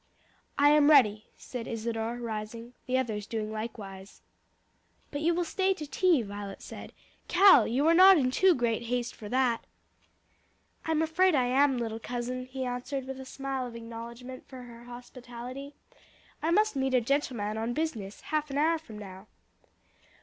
"I am ready," said Isadore, rising, the others doing likewise. "But you will stay to tea?" Violet said. "Cal, you are not in too great haste for that?" "I'm afraid I am, little cousin," he answered with a smile of acknowledgment of her hospitality. "I must meet a gentleman on business, half an hour from now."